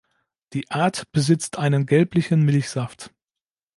Die Art besitzt einen gelblichen Milchsaft.